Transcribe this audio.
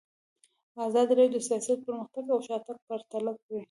ازادي راډیو د سیاست پرمختګ او شاتګ پرتله کړی.